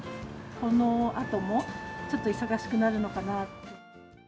このあともちょっと忙しくなるのかなって。